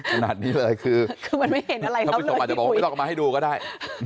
ขนาดนี้เลยคือคุณผู้ชมอาจจะบอกไม่ต้องกลับมาให้ดูก็ได้